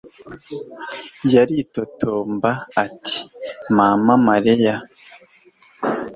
Yaritotomba ati: "Mama Mariya".